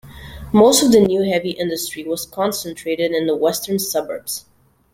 Most of the new heavy industry was concentrated in the western suburbs.